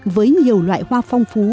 với nhiều loại hoa phong phú